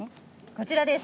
こちらです。